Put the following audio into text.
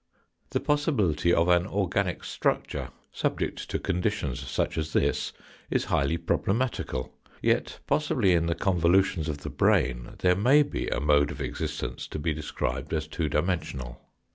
The possibility of an organic structure, subject to conditions such as this, is highly problematical ; yet, possibly in the convolutions of the brain there may be a mode of existence to be described as two dimensional.